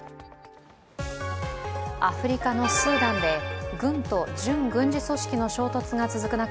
アフリカのスーダンで軍と準軍事組織の衝突が続く中